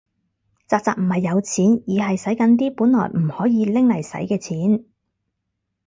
宅宅唔係有錢，而係洗緊啲本來唔可以拎嚟洗嘅錢